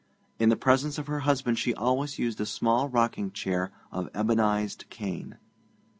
In the presence of her husband she always used a small rocking chair of ebonized cane.